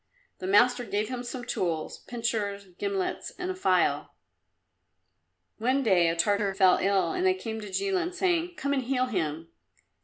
The master gave him some tools pincers, gimlets and a file. One day a Tartar fell ill, and they came to Jilin, saying, "Come and heal him."